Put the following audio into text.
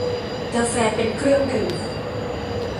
กาแฟเป็นเครื่องดื่ม